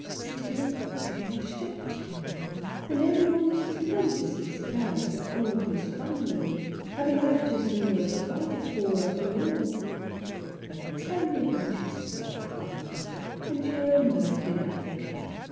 " Still, people are shocked, dear. And even* one was tremendously surprised at old Miss Farmiloe having left her so well provided for, after alL But tell me about yourself, Arnold, and your own life in Africa.